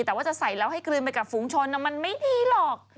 แต่ว่าจะใส่แล้วให้กลืนไปกับฝูงชนมันไม่ดีหรอก